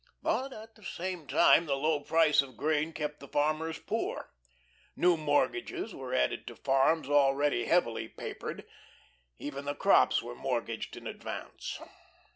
But at the same time the low price of grain kept the farmers poor. New mortgages were added to farms already heavily "papered"; even the crops were mortgaged in advance.